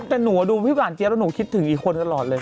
แต่ถ้าดูพี่หวานเจี๊ยบแล้วหนูจะคิดถึงอีกคนทอยู่เลย